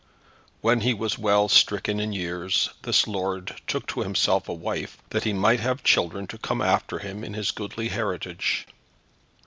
When he was well stricken in years this lord took to himself a wife, that he might have children to come after him in his goodly heritage.